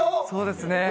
そうですね。